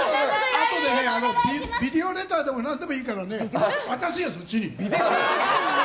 あとでビデオレターでも何でもいいから渡せよ！